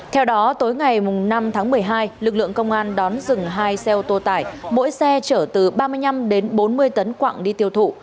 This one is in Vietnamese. theo đó tối ngày năm tháng một mươi hai lực lượng công an đón dừng hai xe ô tô tải mỗi xe chở từ ba mươi năm đến bốn mươi tấn quạng đi tiêu thụ